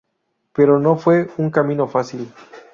Pero no fue un camino fácil.